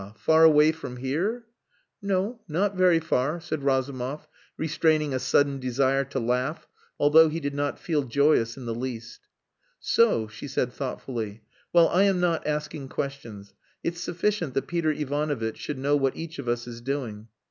Far away from here?" "No. Not very far," said Razumov, restraining a sudden desire to laugh, although he did not feel joyous in the least. "So!" she said thoughtfully. "Well, I am not asking questions. It's sufficient that Peter Ivanovitch should know what each of us is doing.